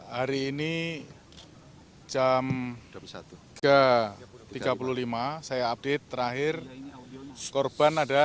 hari ini jam tiga tiga puluh lima saya update terakhir korban ada